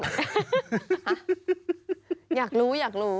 อยากรู้อยากรู้